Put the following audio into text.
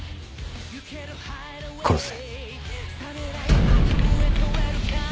殺せ。